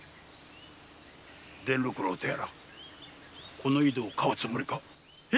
伝六郎とやらこの井戸を買うつもりか？